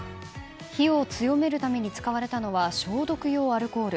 火を強めるために使われたのは消毒用アルコール。